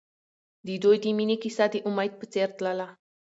د دوی د مینې کیسه د امید په څېر تلله.